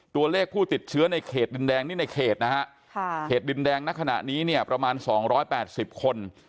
ตัวเลขผู้ติดเชื้อในเขตดินแดงนี่ในเขตนะฮะเขตดินแดงณขณะนี้เนี่ยประมาณ๒๘๐คน